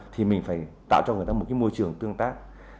thì mình phải tạo cho người ta một cái môi trường tương tác